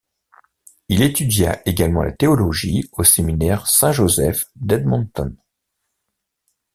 Il étudia également la théologie au séminaire Saint-Joseph d'Edmonton.